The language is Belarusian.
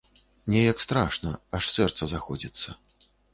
Неяк страшна, аж сэрца заходзіцца.